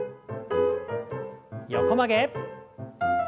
横曲げ。